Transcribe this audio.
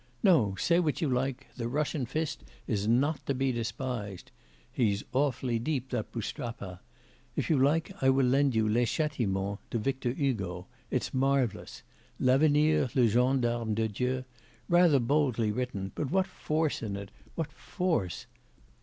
No, say what you like, the Russian fist is not to be despised. He's awfully deep that Boustrapa! If you like I will lend you Les Châtiments de Victor Hugo it's marvellous L'avenir, le gendarme de Dieu rather boldly written, but what force in it, what force!